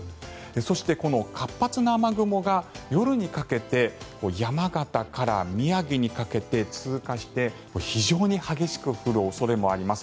そして、この活発な雨雲が夜にかけて山形から宮城にかけて通過して非常に激しく降る恐れもあります。